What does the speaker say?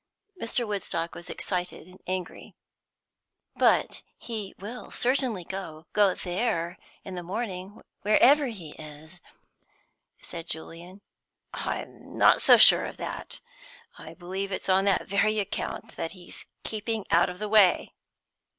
Mr. Woodstock was excited and angry. "But he will certainly go go there in the morning, wherever he is," said Julian. "I'm not so sure of that. I believe it's on that very account that he's keeping out of the way!"